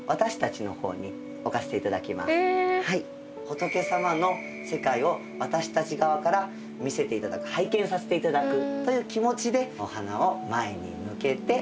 仏様の世界を私たち側から見せていただく拝見させていただくという気持ちでお花を前に向けて置かせていただきます。